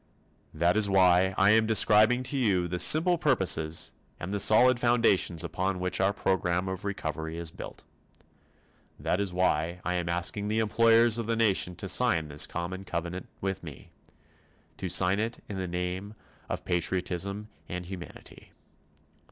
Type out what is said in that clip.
That is why I am describing to you the simple purposes and the solid foundations upon which our program of recovery is built. That is why I am asking the employers of the nation to sign this common covenant with me to sign it in the name of patriotism and humanity.